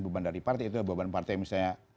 beban dari partai itu beban partai misalnya